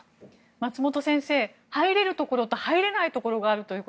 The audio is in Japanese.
松本先生、入れるところと入れないところがあると。